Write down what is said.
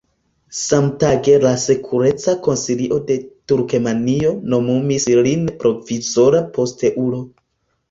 Samtage la sekureca konsilio de Turkmenio nomumis lin provizora posteulo.